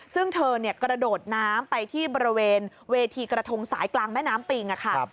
ซึ่งเธอกระโดดน้ำไปที่บริเวณเวทีกระทงสายกลางแม่น้ำปิงค่ะ